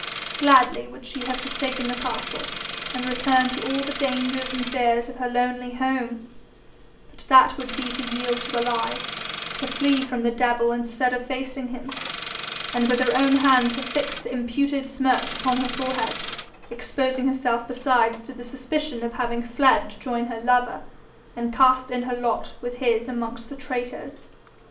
Gladly would she have forsaken the castle, and returned to all the dangers and fears of her lonely home; but that would be to yield to a lie, to flee from the devil instead of facing him, and with her own hand to fix the imputed smirch upon her forehead, exposing herself besides to the suspicion of having fled to join her lover, and cast in her lot with his amongst the traitors.